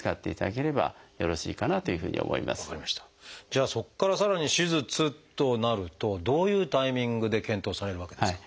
じゃあそこからさらに手術となるとどういうタイミングで検討されるわけですか？